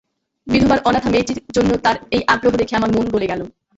বিধবার অনাথা মেয়েটির জন্য তাঁর এই আগ্রহ দেখে আমার মন গলে গেল।